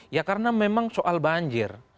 ya karena memang soal banjir